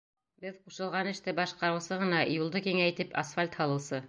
Беҙ ҡушылған эште башҡарыусы ғына: юлды киңәйтеп, асфальт һалыусы.